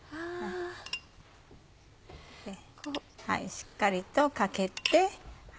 しっかりとかけて。